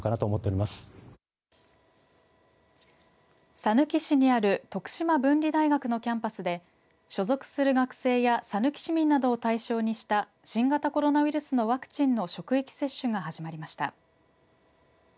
さぬき市にある徳島文理大学のキャンパスで所属する学生やさぬき市民などを対象にした新型コロナウイルスのワクチンの職域接種が始まりました。